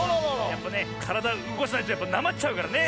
やっぱねからだうごかさないとなまっちゃうからね。